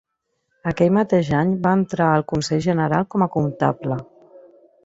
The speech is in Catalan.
Aquell mateix any va entrar al Consell General com a comptable.